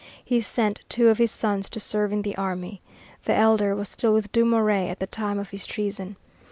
He sent two of his sons to serve in the army. The elder was still with Dumouriez at the time of his treason.